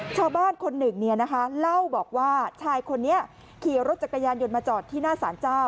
ชาวบ้านคนหนึ่งเล่าบอกว่าชายคนนี้ขี่รถจักรยานยนต์มาจอดที่หน้าสารเจ้า